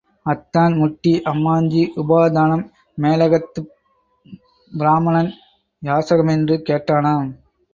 அத்தான் முட்டி, அம்மாஞ்சி உபாதானம், மேலகத்துப் பிராம்மணன் யாசகமென்று கேட்டானாம்.